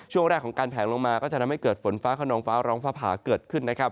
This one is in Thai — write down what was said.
ช่วงแรกของการแผลลงมาก็จะทำให้เกิดฝนฟ้าขนองฟ้าร้องฟ้าผ่าเกิดขึ้นนะครับ